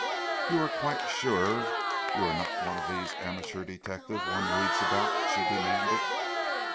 "You are quite sure you're not one of these amateur detectives one reads about?" she demanded.